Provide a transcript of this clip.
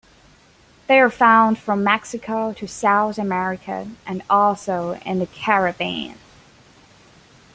They are found from Mexico to South America and also in the Caribbean.